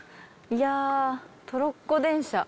いやトロッコ電車。